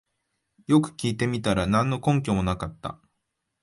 よく聞いてみたら何の根拠もなかった